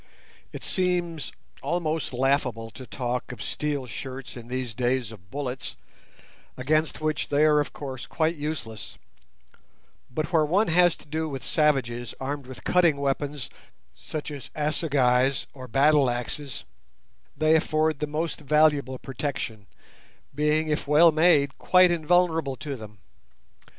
It seems almost laughable to talk of steel shirts in these days of bullets, against which they are of course quite useless; but where one has to do with savages, armed with cutting weapons such as assegais or battle axes, they afford the most valuable protection, being, if well made, quite invulnerable to them.